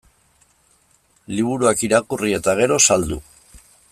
Liburuak irakurri eta gero, saldu.